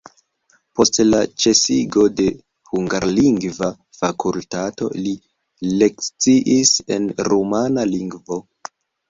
Post la ĉesigo de hungarlingva fakultato li lekciis en rumana lingvo.